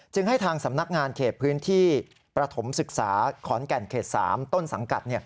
ให้ทางสำนักงานเขตพื้นที่ประถมศึกษาขอนแก่นเขต๓ต้นสังกัด